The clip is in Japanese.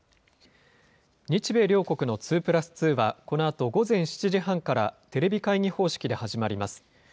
日米両国の２プラス２は、このあと午前７時半からテレビ会議方式で始まります。